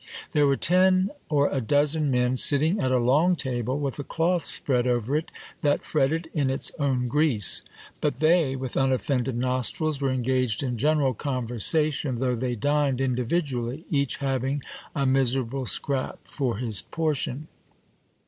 There were ten or a dozen men sitting at a long table, with a cloth spread over it that fretted in its own grease ; but they, with unoffended nostrils, were engaged in general conversation, though they dined individually, each having a miserable scrap for his portion.